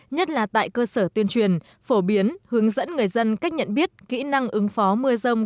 nhất là tại cơ sở tuyên truyền phổ biến hướng dẫn người dân cách nhận biết kỹ năng ứng phó mưa rông